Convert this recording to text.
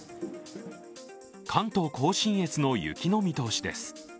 関東甲信越の雪の見通しです。